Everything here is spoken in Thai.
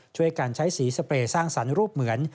ช่วยกันใช้สีสเปรย์สร้างสรรค์รูปเหมือน